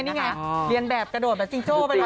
นี่ไงเรียนแบบกระโดดแบบจิงโจ้ไปเลย